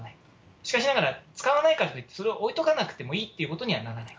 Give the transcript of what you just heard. しかしながら、使わないからといってそれを置いとかなくていいってことにはならない。